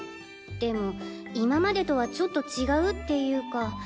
でも今までとはちょっと違うっていうか。